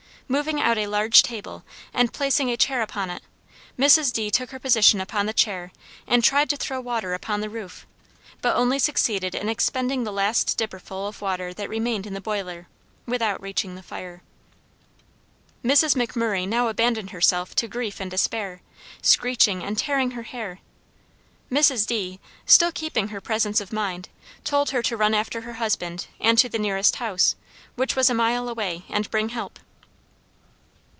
Moving out a large table and placing a chair upon it, Mrs. D. took her position upon the chair and tried to throw water upon the roof, but only succeeded in expending the last dipper full of water that remained in the boiler, without reaching the fire. Mrs. McMurray now abandoned herself to grief and despair, screeching and tearing her hair. Mrs. D., still keeping her presence of mind, told her to run after her husband, and to the nearest house, which was a mile away, and bring help.